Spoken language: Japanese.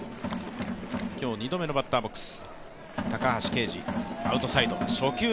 今日２度目のバッターボックス。